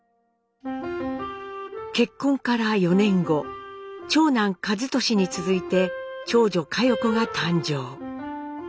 結婚から４年後長男和利に続いて長女佳代子が誕生。